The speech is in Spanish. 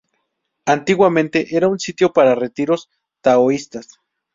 Antiguamente, era un sitio para retiros taoístas.